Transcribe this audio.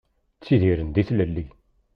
Ttidiren di tlelli.